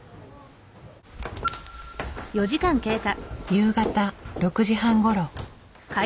夕方６時半ごろ。